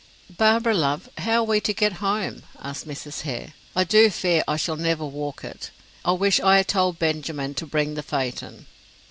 "Barbara, love, how are we to get home?" asked Mrs. Hare. "I do fear I shall never walk it. I wish I had told Benjamin to bring the phaeton."